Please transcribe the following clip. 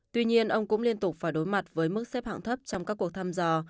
tuy nhiên ông cũng liên tục phải đối mặt với mức xếp hạng thấp trong các cuộc thăm dò